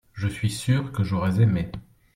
je suis sûr que j'aurais aimé.